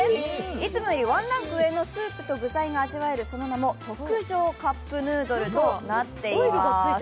いつもよりワンランク上のスープと具材が味わえる、その名も特上カップヌードルとなっています。